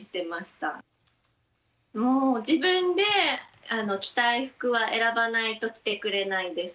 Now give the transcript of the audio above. もう自分で着たい服は選ばないと着てくれないです。